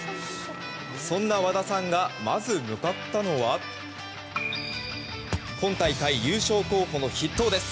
そんな和田さんがまず向かったのは今大会、優勝候補の筆頭です。